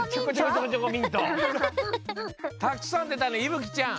たくさんでたねいぶきちゃん。